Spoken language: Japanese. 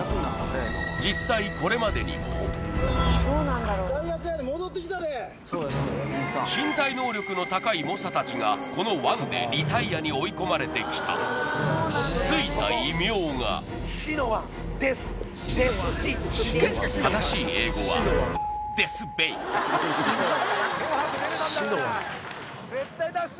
実際身体能力の高い猛者たちがこの湾でリタイアに追い込まれてきた正しい英語はしゃー！